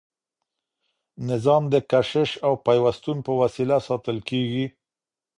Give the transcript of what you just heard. نظام د کشش او پیوستون په وسیله ساتل کیږي.